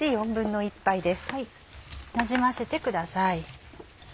なじませてください。